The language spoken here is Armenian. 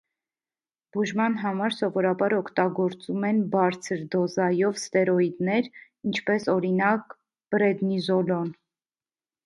Բուժման համար սովորաբար օգտագործում են բարձր դոզայով ստերոիդներ, ինչպես, օրինակ՝ պրեդնիզոլոն։